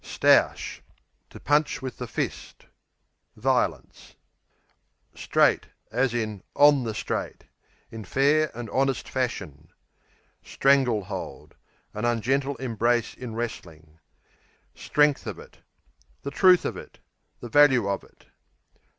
Stoush To punch with the fist. s. Violence. Straight, on the In fair and honest fashion. Strangle hold An ungentle embrace in wrestling. Strength of it The truth of it; the value of it.